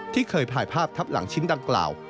ที่เคยถ่ายภาพทับหลังชิ้นดังกล่าว